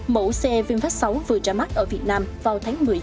mẫu xe vinfast sáu vừa ra mắt ở việt nam vào tháng một mươi